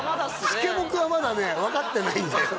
シケモクはまだね分かってないんだよ